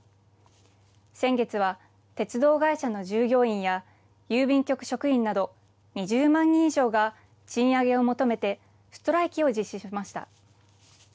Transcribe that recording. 先月は鉄道会社の従業員や郵便局職員など２０万人以上が賃上げを求めてストライキを実施しました。